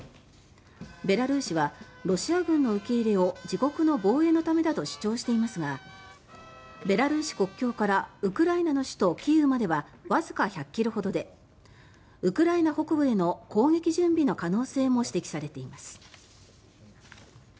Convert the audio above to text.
ベラルーシはロシア軍の受け入れを自国の防衛のためだと主張していますがベラルーシ国境からウクライナの首都キーウまではわずか１００ｋｍほどでウクライナ北部への攻撃準備の可能性も指摘されています。